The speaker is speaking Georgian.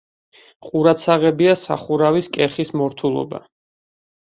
ყურადსაღებია სახურავის კეხის მორთულობა.